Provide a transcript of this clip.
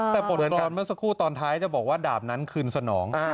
แต่บทกรณ์เมื่อสักครู่ตอนท้ายจะบอกว่าดาบนั้นคืนสนอง